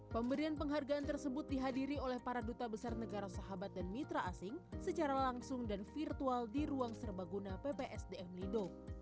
pemberian penghargaan tersebut dihadiri oleh para duta besar negara sahabat dan mitra asing secara langsung dan virtual di ruang serbaguna ppsdm lido